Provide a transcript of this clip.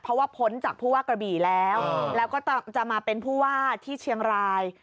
เพราะว่าพ้นจากผู้ว่ากระบี่แล้วแล้วก็จะมาเป็นผู้ว่าที่เชียงราย